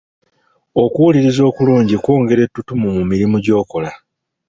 Okuwuliriza okulungi kyongera ettutumu mu mirimu gy'okola.